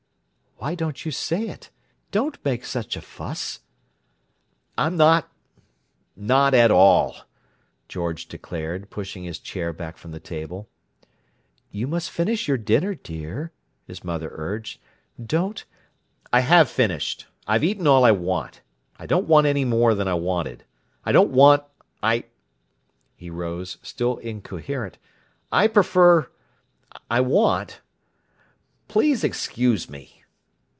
"Why don't you say it? Don't make such a fuss." "I'm not—not at all," George declared, pushing his chair back from the table. "You must finish your dinner, dear," his mother urged. "Don't—" "I have finished. I've eaten all I want. I don't want any more than I wanted. I don't want—I—" He rose, still incoherent. "I prefer—I want—Please excuse me!"